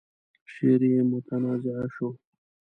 شعر يې متنازعه شو.